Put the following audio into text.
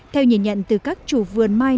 theo nhìn nhận từ các chủ vườn mai